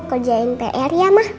kerjain pr ya ma